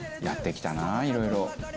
やってきたなあいろいろ。